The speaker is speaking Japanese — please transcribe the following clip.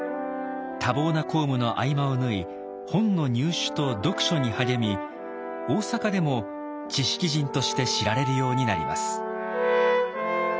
多忙な公務の合間を縫い本の入手と読書に励み大坂でも知識人として知られるようになります。